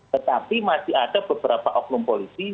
tetapi masih ada beberapa oknum polisi